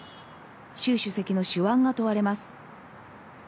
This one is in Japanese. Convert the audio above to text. シュウ主席の手腕が問われます。